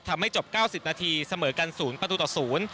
ทำให้จบ๙๐นาทีเสมอกัน๐ประตูต่อ๐